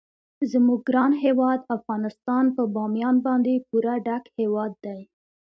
زموږ ګران هیواد افغانستان په بامیان باندې پوره ډک هیواد دی.